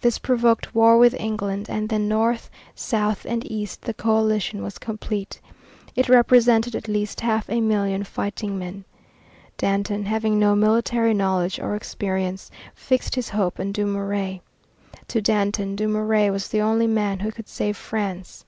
This provoked war with England, and then north, south, and east the coalition was complete. It represented at least half a million fighting men. Danton, having no military knowledge or experience, fixed his hopes on Dumouriez. To Danton, Dumouriez was the only man who could save France.